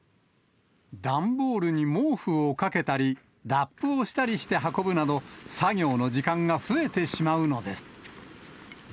段ボールに毛布をかけたり、ラップをしたりして運ぶなど、作業の時間が増えてしまうのです。